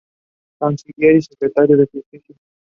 Monticello to Dunnellon